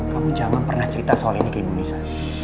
kamu jangan pernah cerita soal ini ke ibu misa